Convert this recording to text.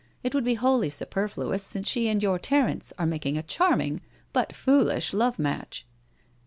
It would be wholly superfluous, since she and your Terence are making a charming but foolish love match.